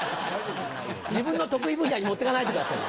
自分の得意分野に持って行かないでくださいよ。